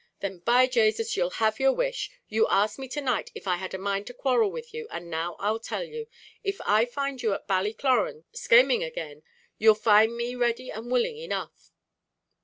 "Then, by Jasus, you'll have your wish! you asked me to night if I had a mind to quarrel with you, and now I'll tell you, if I find you at Ballycloran schaming agin, you'll find me ready and willing enough."